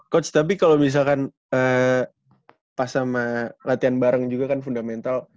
coach tapi kalau misalkan pas sama latihan bareng juga kan fundamental